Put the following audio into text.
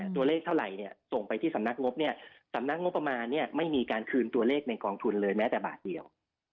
ตัวเลขเท่าไหร่ส่งไปที่สำนักงบสำนักงบประมาณไม่มีการคืนตัวเลขในกองทุนเลยแม้แต่บาทเดียว